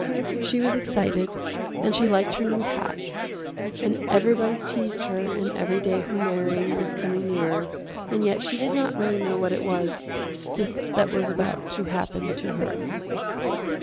She was excited and she liked her new hats, and everybody teased her and every day her marrying was coming nearer, and yet she did not really know what it was, this that was about to happen to her.